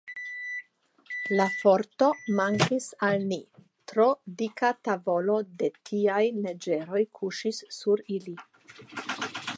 La forto mankis al mi; tro dika tavolo de tiaj neĝeroj kuŝis sur ili.